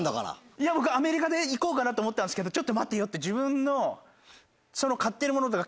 いや僕「アメリカでいこうかな」と思ったんですけど「ちょっと待てよ」って。